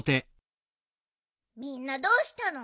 みんなどうしたの？